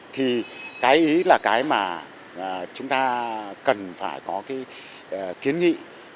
thì cái ý là cái mà chúng ta cần phải có cái kiến nghị